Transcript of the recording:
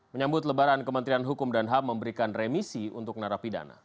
menyambut lebaran kementerian hukum dan ham memberikan remisi untuk narapidana